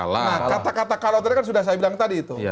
nah kata kata kalau tadi kan sudah saya bilang tadi itu